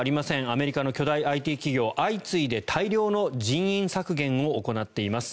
アメリカの巨大ＩＴ企業相次いで大量の人員削減を行っています。